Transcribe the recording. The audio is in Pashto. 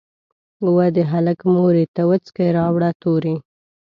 "وه د هلک مورې ته وڅکي راوړه توري".